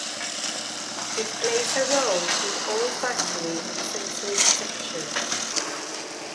It plays a role in olfactory and sensory detection.